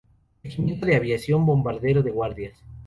Regimiento de Aviación Bombardero de Guardias.